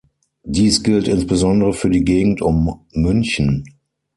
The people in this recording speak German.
Dies gilt insbesondere für die Gegend um München.